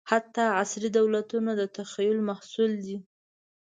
حتی عصري دولتونه د تخیل محصول دي.